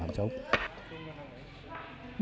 bưng trống là việc làm trống